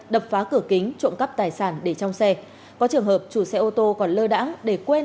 đập phá cửa kính trộm cắp tài sản để trong xe có trường hợp chủ xe ô tô còn lơ đẳng để quên